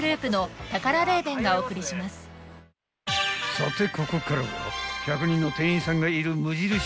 ［さてここからは１００人の店員さんがいる無印